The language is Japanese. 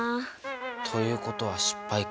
ということは失敗か。